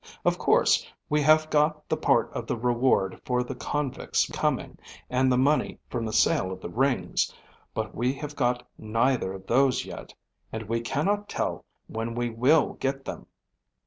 Of course, we have got the part of the reward for the convicts coming and the money from the sale of the rings, but we have got neither of those yet and we cannot tell when we will get them.